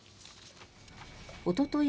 おととい